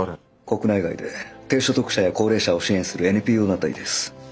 国内外で低所得者や高齢者を支援するＮＰＯ団体です。